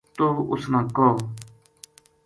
توہ اُس نا کہو